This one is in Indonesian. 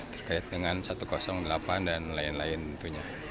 terkait dengan satu ratus delapan dan lain lain tentunya